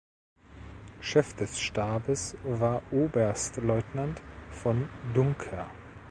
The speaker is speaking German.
Chef des Stabes war Oberstleutnant von Duncker.